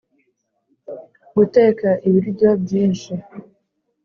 guteka ibiryo byinshi